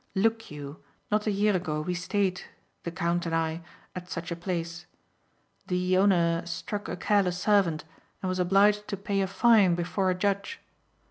Look you, not a year ago we stayed, the count and I, at such a place. The owner struck a careless servant and was obliged to pay a fine before a judge.